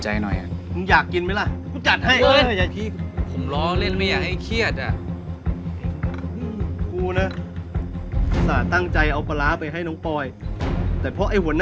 เฮ้ยนี่นี่การแท่งขันสมตำสายแซ่บ